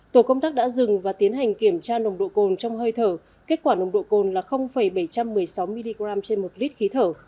tổ công tác đã dừng và tiến hành kiểm tra nồng độ cồn trong hơi thở kết quả nồng độ cồn là bảy trăm một mươi sáu mg trên một lít khí thở